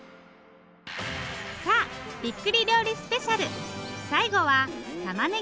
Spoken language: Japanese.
さあびっくり料理スペシャル。